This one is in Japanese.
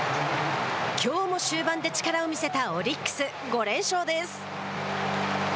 きょうも終盤で力を見せたオリックス、５連勝です。